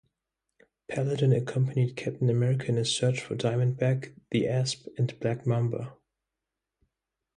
Paladin accompanied Captain America in his search for Diamondback, the Asp, and Black Mamba.